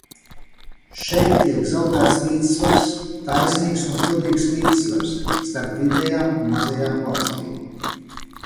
Šeit tiek zaudēts līdzsvars, taisnīgs un godīgs līdzsvars, starp vidējām un mazajām valstīm.